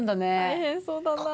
大変そうだなあ。